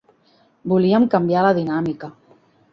Volíem canviar la dinàmica.